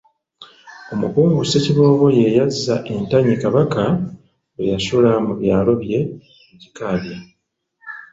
Omukungu Ssekiboobo ye yazza entanyi Kabaka lwe yasula mu byalo bye mu Kikaabya.